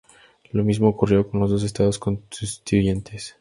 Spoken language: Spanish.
Lo mismo ocurrió con los dos estados constituyentes.